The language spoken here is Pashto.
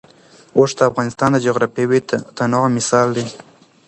اوښ د افغانستان د جغرافیوي تنوع مثال دی.